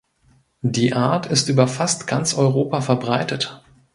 Die Art ist über fast ganz Europa verbreitet.